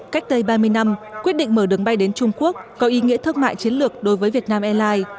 cách đây ba mươi năm quyết định mở đường bay đến trung quốc có ý nghĩa thương mại chiến lược đối với việt nam airlines